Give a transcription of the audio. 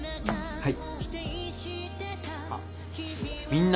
はい。